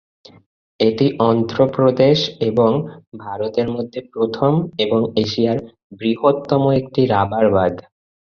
এটি অন্ধ্রপ্রদেশ এবং ভারতের মধ্যে প্রথম এবং এশিয়ার বৃহত্তম একটি রাবার বাঁধ।